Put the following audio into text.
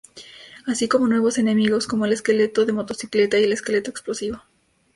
Así como nuevos enemigos como el esqueleto en motocicleta y el esqueleto explosivo.